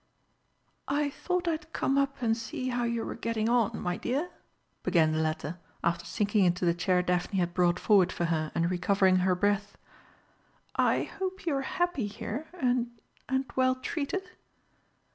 "I thought I'd come up and see how you were getting on, my dear," began the latter, after sinking into the chair Daphne had brought forward for her, and recovering her breath. "I hope you are happy here and and well treated?"